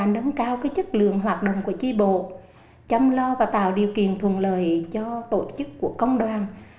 đáng cao cái chất lượng hoạt động của tri bộ chăm lo và tạo điều kiện thuận lời cho tổ chức của công đoàn